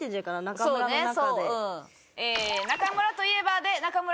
「中村」の中で。